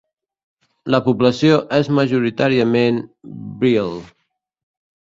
La població és majoritàriament bhil.